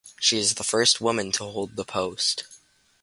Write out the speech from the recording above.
She is the first woman to hold the post.